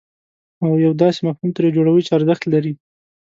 او یو داسې مفهوم ترې جوړوئ چې ارزښت لري.